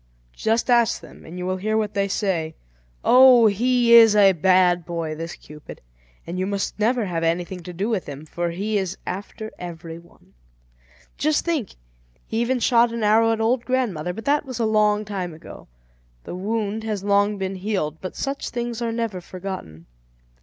Just ask them, and you will hear what they say. Oh! he is a bad boy, this Cupid, and you must never have anything to do with him, for he is after every one. Just think, he even shot an arrow at old grandmother; but that was a long time ago. The wound has long been healed, but such things are never forgotten.